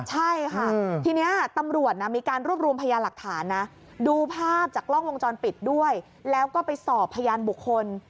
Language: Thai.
ใช่ค่ะทีนี้ตำรวจมีการรวบรวมพยานหลักฐานนะดูภาพจากกล้องวงจรปิดด้วยแล้วก็ไปสอบพยานบุคคล